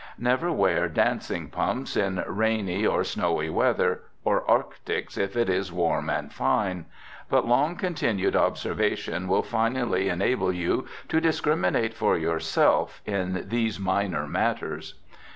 Never wear dancing pumps in rainy or snowy weather, or arctics if it is warm and fine. But long continued observation will finally enable you to discriminate for yourself in these minor matters.